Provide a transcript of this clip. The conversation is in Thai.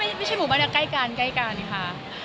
ไม่ไม่ใช่หมู่บ้านเนี่ยใกล้กันค่ะ